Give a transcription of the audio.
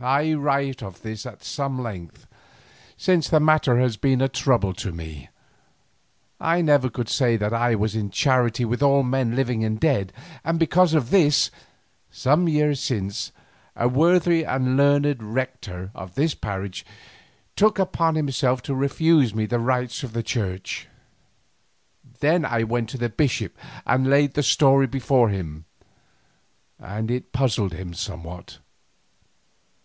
I write of this at some length, since the matter has been a trouble to me. I never could say that I was in charity with all men living and dead, and because of this, some years since, a worthy and learned rector of this parish took upon himself to refuse me the rites of the church. Then I went to the bishop and laid the story before him, and it puzzled him somewhat.